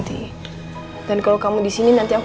dia gak pernah ngertiin perasaan aku